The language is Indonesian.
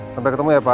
sampai ketemu ya pak